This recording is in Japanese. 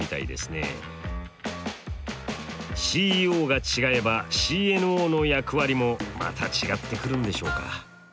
ＣＥＯが違えばＣＮＯの役割もまた違ってくるんでしょうか。